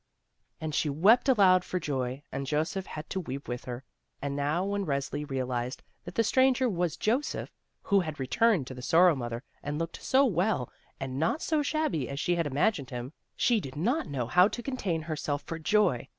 And she wept aloud for joy, and Joseph had to weep with her. And now, when Resli realized that the stranger was Joseph, who had returned to the Sorrow mother and looked so well and not so shabby as she had imagined him, she did not SORROW MOTHER NO LONGER 55 know how to contain herself for j oy